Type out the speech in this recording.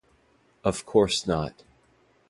Of course not.